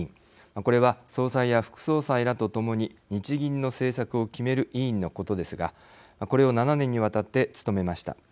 これは総裁や副総裁らと共に日銀の政策を決める委員のことですがこれを７年にわたって務めました。